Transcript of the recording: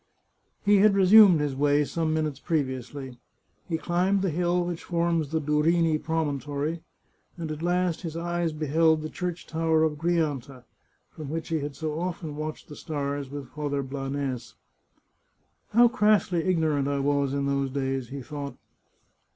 He had resumed his way some minutes previously; he climbed the hill which forms the Durini promontory, and at 162 The Chartreuse of Parma last his eyes beheld the church tower of Girianta, from which he had so often watched the stars with Father Blanes. " How crassly ignorant I was in those days !" he thought.